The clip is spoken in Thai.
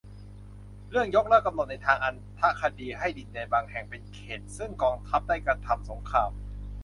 เรื่อง ยกเลิกกำหนดในทางอรรถคดีให้ดินแดนบางแห่งเป็นเขตต์ซึ่งกองทัพได้กระทำสงคราม